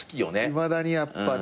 いまだにやっぱね。